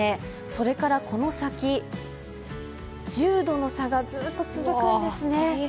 それからこの先１０度の差がずっと続くんです。